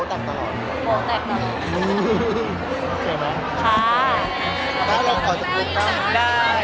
โปรดตักตลอด